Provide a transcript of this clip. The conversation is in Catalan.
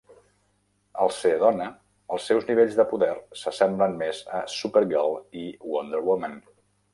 Al ser dona, els seus nivells de poder s'assemblen més a Supergirl i Wonder Woman.